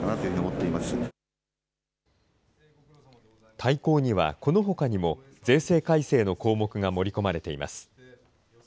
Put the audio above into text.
大綱には、このほかにも税制改正の項目が盛り込まれています。